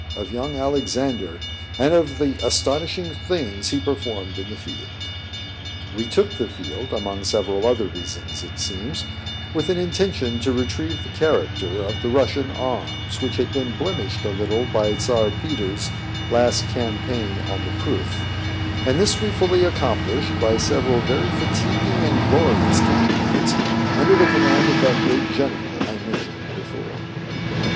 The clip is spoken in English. of young Alexander, and of the astonishing things he performed in the field. We took the field, among several other reasons, it seems, with an intention to retrieve the character of the Russian arms, which had been blemished a little by Czar Peter's last campaign on the Pruth; and this we fully accomplished by several very fatiguing and glorious campaigns under the command of that great general I mentioned before.